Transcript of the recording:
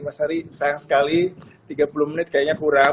mas ari sayang sekali tiga puluh menit kayaknya kurang